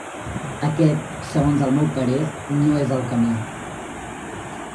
Aquest, segons el meu parer, no és el camí.